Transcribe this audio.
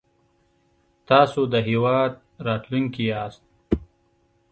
تاسو د هېواد راتلونکی ياست